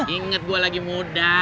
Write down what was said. ingat gue lagi muda